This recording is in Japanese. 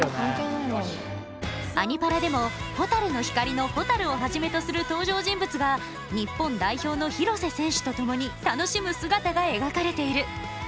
「アニ×パラ」でも「ホタルノヒカリ」の蛍をはじめとする登場人物が日本代表の廣瀬選手とともに楽しむ姿が描かれている。